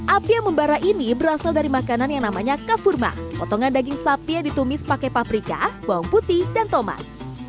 api yang membara ini berasal dari makanan yang namanya kafurma potongan daging sapi yang ditumis pakai paprika bawang putih dan tomat